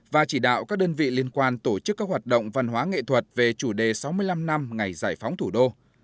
và chỉ đạo các đơn vị liên quan tổ chức các hoạt động văn hóa nghệ thuật về chủ đề sáu mươi năm năm ngày giải phóng thủ đô